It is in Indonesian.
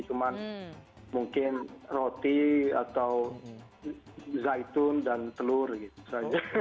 cuma mungkin roti atau zaitun dan telur gitu saja